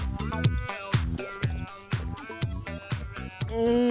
うん！